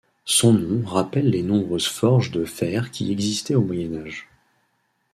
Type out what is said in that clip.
Son nom rappelle les nombreuses forges de fer qui y existaient au Moyen Âge.